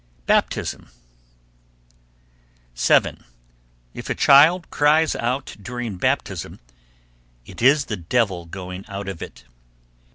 BAPTISM. 7. If a child cries during baptism, it is the devil going out of it.